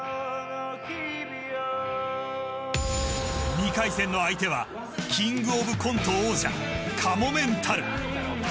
２回戦の相手はキングオブコント王者かもめんたる。